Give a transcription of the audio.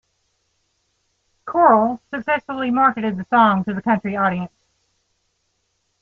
Coral successfully marketed the song to the country audience.